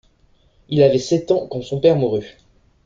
Il avait sept ans quand son père mourut.